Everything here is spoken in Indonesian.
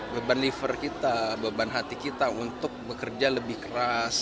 beban liver kita beban hati kita untuk bekerja lebih keras